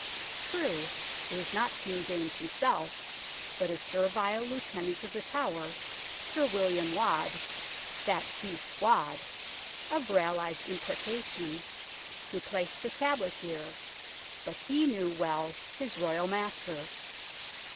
True, it was not King James himself, but his servile Lieutenant of The Tower, Sir William Waad "that beast Waad " of Raleigh's imprecation who placed the tablet here, but he knew well his Royal master.